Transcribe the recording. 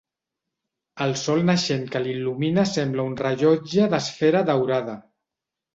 El sol naixent que l'il·lumina sembla un rellotge d'esfera daurada.